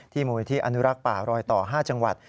มูลนิธิอนุรักษ์ป่ารอยต่อ๕จังหวัด